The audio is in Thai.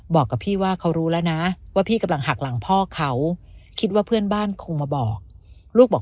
บอกกับพี่ว่าเขารู้แล้วนะว่าพี่กำลังหักหลังพ่อเขาคิดว่าเพื่อนบ้านคงมาบอกลูกบอก